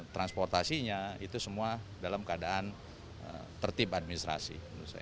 transportasinya itu semua dalam keadaan tertib administrasi